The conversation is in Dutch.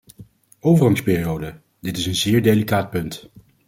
Overgangsperioden: dit is een zeer delicaat punt.